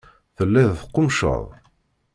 Telliḍ teqqummceḍ.